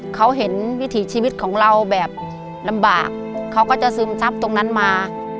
เขาเห็นวิถีชีวิตของเราแบบลำบากเขาก็จะซึมซับตรงนั้นมา